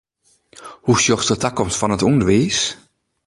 Hoe sjochst de takomst fan it ûnderwiis?